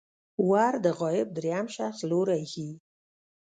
ور د غایب دریم شخص لوری ښيي.